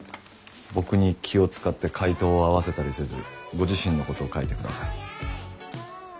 僕に気を遣って回答を合わせたりせずご自身のことを書いてください。